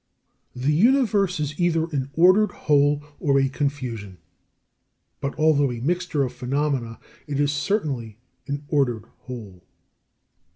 27. The Universe is either an ordered whole or a confusion. But, although a mixture of phenomena, it is certainly an ordered whole.